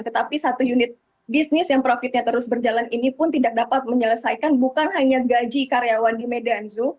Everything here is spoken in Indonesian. tetapi satu unit bisnis yang profitnya terus berjalan ini pun tidak dapat menyelesaikan bukan hanya gaji karyawan di medan zoo